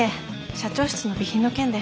社長室の備品の件で。